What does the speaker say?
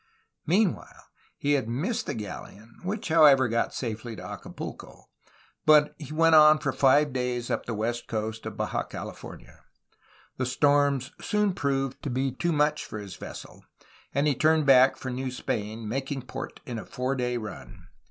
Meanwhile, he had missed the galleon (which, however, got safely to Acapulco), but he went on for five days up the west coast of Baja California. The storms soon proved to be too much for his vessel, and he turned back for New Spain, making port in a four day run.